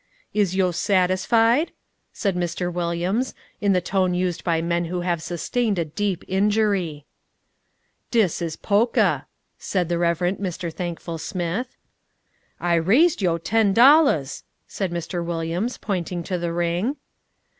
"Is yo' satisfied?" said Mr. Williams, in the tone used by men who have sustained a deep injury. "Dis is pokah," said the Reverend Mr. Thankful Smith. "I rised yo' ten dollahs," said Mr. Williams, pointing to the ring.